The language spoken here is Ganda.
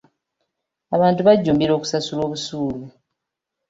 Abantu bajjumbira okusasula obusuulu.